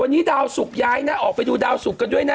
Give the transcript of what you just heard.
วันนี้ดาวสุกย้ายนะออกไปดูดาวสุกกันด้วยนะ